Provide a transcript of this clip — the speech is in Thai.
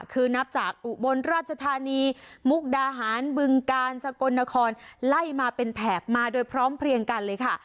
คือนับจากอุบลราชธานีมุกดาหารบึงกาลสกลนครไล่มาเป็นแถบมาโดยพร้อมเพลียงกันเลยค่ะ